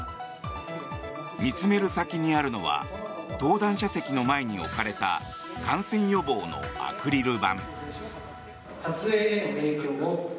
見つめる先にあるのは登壇者席の前に置かれた感染予防のアクリル板。